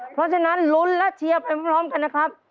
เพราะฉะนั้นลุ้นและเชียร์ไปพร้อมกันนะครับ